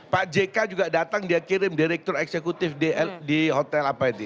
pak jk juga datang dia kirim direktur eksekutif di hotel apa itu